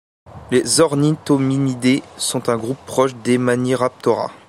Les ornithomimidés sont un groupe proche des Maniraptora.